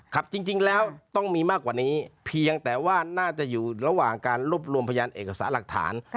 ครับจริงแล้วต้องมีมากกว่านี้เพียงแต่ว่าน่าจะอยู่ระหว่างการรวบรวมพยานเอกสารหลักฐาน